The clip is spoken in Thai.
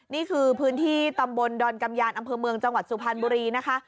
นี่คือพื้นที่ตำบลดอนกำยานอำเภอเมืองจังหวัดสุพรรณบุรีนะคะ